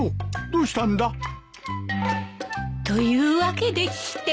どうしたんだ？というわけでして。